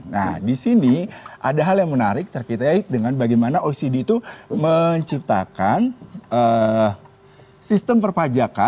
nah di sini ada hal yang menarik terkait dengan bagaimana ocd itu menciptakan sistem perpajakan